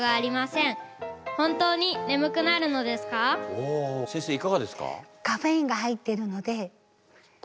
僕はおお先生いかがですか？